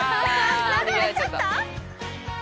流れちゃった？